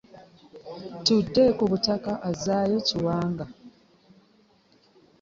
Tudde ku butaka azzayo kiwanga .